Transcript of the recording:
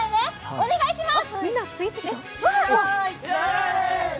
お願いします。